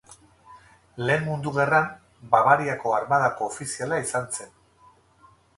Lehen Mundu Gerran Bavariako armadako ofiziala izan zen.